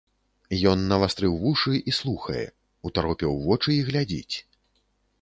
Ён навастрыў вушы і слухае, утаропіў вочы і глядзіць.